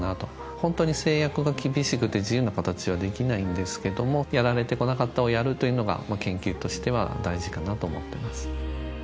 ホントに制約が厳しくて自由な形はできないんですけどもやられてこなかったをやるというのがまあ研究としては大事かなと思ってます。